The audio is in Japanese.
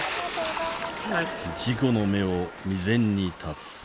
事故の芽を未然に絶つ。